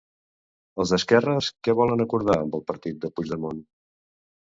Els d'esquerres, què volen acordar amb el partit de Puigdemont?